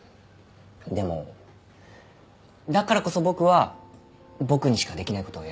でもだからこそ僕は僕にしかできない事をやりたくて。